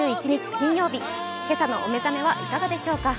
金曜日今朝のお目覚めはいかがでしょうか